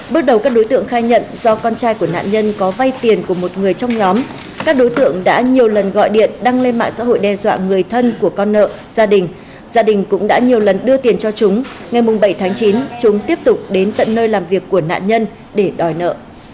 bước đầu các đối tượng khai nhận do con trai của nạn nhân có vay tiền của một người trong nhóm các đối tượng đã nhiều lần gọi điện đăng lên mạng xã hội đe dọa người thân của con nợ gia đình gia đình cũng đã nhiều lần đưa tiền cho chúng ngày bảy tháng chín chúng tiếp tục đến tận nơi làm việc của nạn nhân để đòi nợ